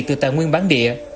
từ tài nguyên bán địa